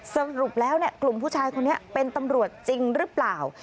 สรุปแล้วกลุ่มผู้ชายคนนี้เป็นตำรวจจริงหรือเปล่า